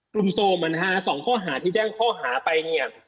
กลุ่มโทรมสองข้อหาที่แจ้งข้อหาไป